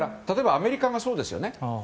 例えばアメリカがそうですよね。